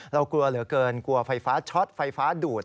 เรากลัวเหลือเกินกลัวไฟฟ้าช็อตไฟฟ้าดูด